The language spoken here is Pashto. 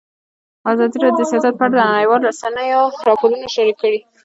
ازادي راډیو د سیاست په اړه د نړیوالو رسنیو راپورونه شریک کړي.